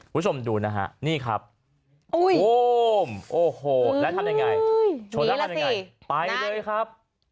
ผู้ชมดูนะฮะนี่ครับโอ้ยโอ้โหแล้วทำได้ไงนี่แหละสิไปเลยครับ